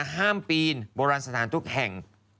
ห้ามปีนโบราณสถานทุกแห่ง